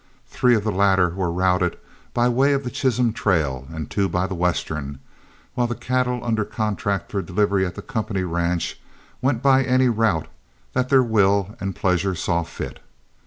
Three of the latter were routed by way of the Chisholm trail, and two by the Western, while the cattle under contract for delivery at the company ranch went by any route that their will and pleasure saw fit.